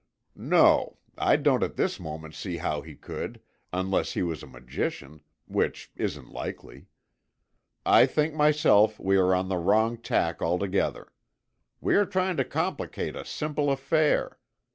"No, I don't at this moment see how he could, unless he was a magician, which isn't likely. I think myself we are on the wrong tack altogether. We are trying to complicate a simple affair.